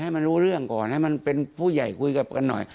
ให้มันรู้เรื่องก่อนให้มันเป็นผู้ใหญ่คุยกับกันหน่อย